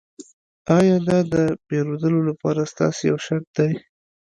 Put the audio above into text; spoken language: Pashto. ایا دا د پیرودلو لپاره ستاسو یو شرط دی